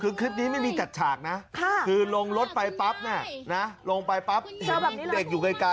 คือคลิปนี้ไม่มีจัดฉากนะคือลงรถไปปั๊บเนี่ยนะลงไปปั๊บเห็นเด็กอยู่ไกล